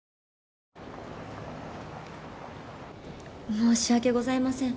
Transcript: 申し訳ございません。